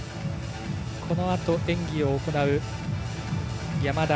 このあと演技を行う山田。